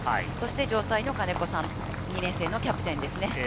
城西の金子さん、２年生のキャプテンです。